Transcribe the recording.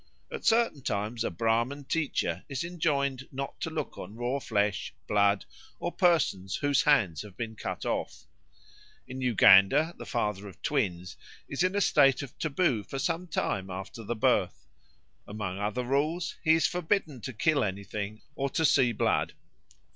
At certain times a Brahman teacher is enjoined not to look on raw flesh, blood, or persons whose hands have been cut off. In Uganda the father of twins is in a state of taboo for some time after birth; among other rules he is forbidden to kill anything or to see blood.